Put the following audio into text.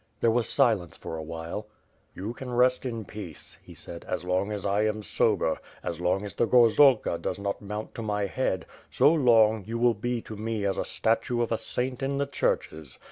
There was silence for a while. 'TTou can rest in peace," he said, "as long as I am sober, as long as the gorzalka does not mount to my head; so long, you will be to me as a statue of a saint in the churches.